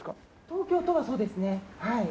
東京都はそうですねはい。